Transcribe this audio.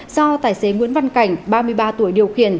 do tài xế nguyễn văn cảnh ba mươi ba tuổi điều khiển